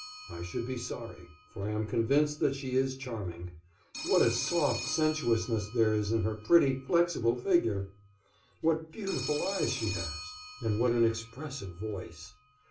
I should be sorry, for I am convinced that she is charming. What a soft sensuousness there is in her pretty, flexible figure! What beautiful eyes she has, and what an expressive voice!